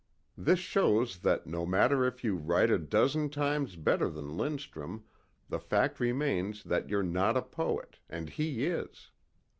This shows that no matter if you write a dozen times better than Lindstrum the fact remains that you're not a poet and he is.